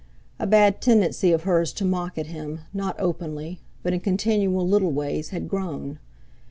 A bad tendency of hers to mock at him, not openly, but in continual little ways, had grown.